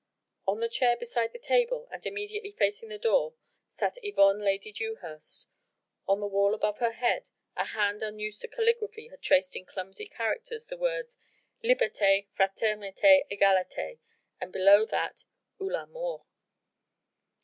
On the chair beside the table and immediately facing the door sat Yvonne Lady Dewhurst. On the wall above her head a hand unused to calligraphy had traced in clumsy characters the words: "Liberté! Fraternité! Egalité!" and below that "ou la Mort."